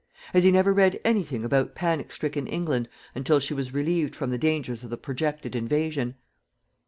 Has he never read anything about panic stricken England until she was relieved from the dangers of the projected invasion?